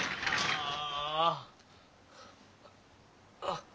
ああ。